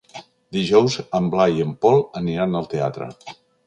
Dijous en Blai i en Pol aniran al teatre.